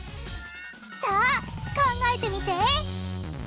さあ考えてみて！